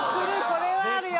これはあるよ！